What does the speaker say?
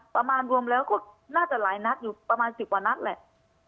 ประมาณรวมแล้วก็น่าจะหลายนัดอยู่ประมาณ๑๐กว่านัดแหละ